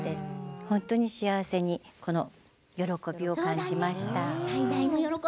本当に幸せに喜びを感じました。